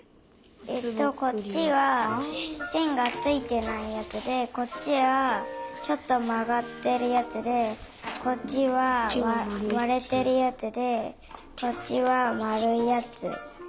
えっとこっちはせんがついてないやつでこっちはちょっとまがってるやつでこっちはわれてるやつでこっちはまるいやつ。